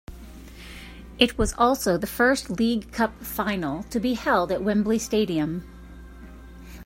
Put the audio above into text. It was also the first League Cup final to be held at Wembley Stadium.